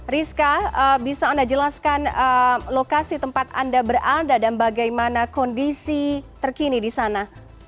rizka bisa anda jelaskan lokasi tempat anda berada dan bagaimana kondisi terkini di sana